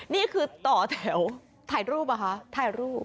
นี่คือต่อแถวถ่ายรูปเหรอคะถ่ายรูป